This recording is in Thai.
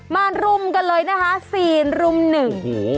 มารุมกันเลยนะคะซีนรุมหนึ่ง